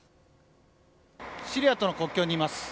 シリアとの国境にいます。